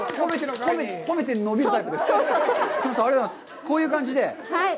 こういう感じで？